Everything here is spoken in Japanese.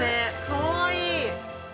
かわいい。